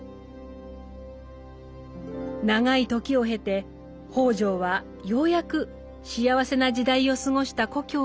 長い時を経て北條はようやく幸せな時代を過ごした故郷へ里帰りを果たしたのです。